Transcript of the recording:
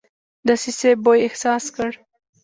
دسیسې بوی احساس کړ.